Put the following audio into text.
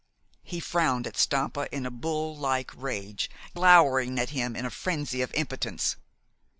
He frowned at Stampa in a bull like rage, glowering at him in a frenzy of impotence.